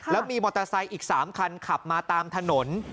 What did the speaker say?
แล้วมีมอเตอร์ไซค์อีก๓คันขับมาตามถนน